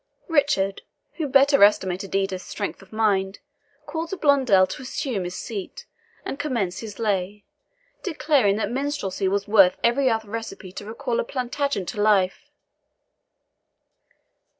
Richard, who better estimated Edith's strength of mind, called to Blondel to assume his seat and commence his lay, declaring that minstrelsy was worth every other recipe to recall a Plantagenet to life.